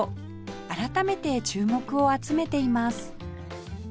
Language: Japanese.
改めて注目を集めています